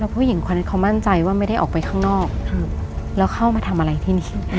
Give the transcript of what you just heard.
ผู้หญิงคนนี้เขามั่นใจว่าไม่ได้ออกไปข้างนอกแล้วเข้ามาทำอะไรที่นี่